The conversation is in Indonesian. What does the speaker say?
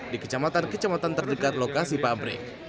di kecamatan kecamatan terdekat lokasi pabrik